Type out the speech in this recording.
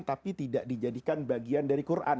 tapi tidak dijadikan bagian dari quran